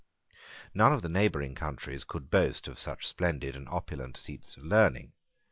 None of the neighbouring countries could boast of such splendid and opulent seats of learning.